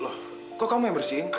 loh kok kamu yang bersih